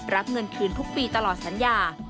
รับเงินคืนทุกปีตลอดสัญญา